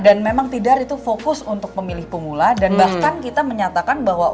dan memang tidar itu fokus untuk pemilih pemula dan bahkan kita menyatakan bahwa